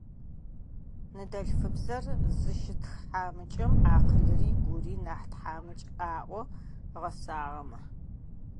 Ныдэлъфыбзэр зыщытхьамыкӏэм акъылри гури нахь тхьамыкӏ,- аӏо гъэсагъэмэ.